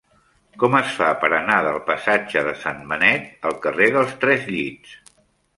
Com es fa per anar del passatge de Sant Benet al carrer dels Tres Llits?